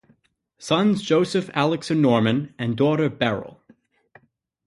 Sons Joseph, Alex and Norman, and daughter Beryl.